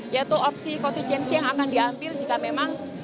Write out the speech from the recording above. dan kamera itu menemukan dari ledak